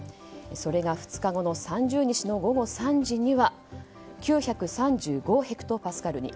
それが２日後の３０日の午後３時には９３５ヘクトパスカルに。